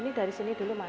ini dari sini dulu mas